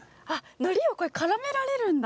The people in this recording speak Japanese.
のりをこれ絡められるんだ。